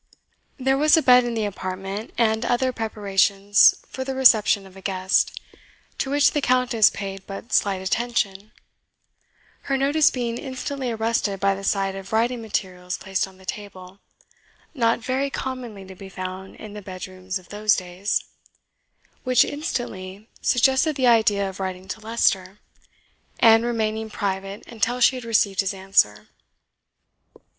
There was a bed in the apartment, and other preparations for the reception of a guest, to which the Countess paid but slight attention, her notice being instantly arrested by the sight of writing materials placed on the table (not very commonly to be found in the bedrooms of those days), which instantly suggested the idea of writing to Leicester, and remaining private until she had received his answer.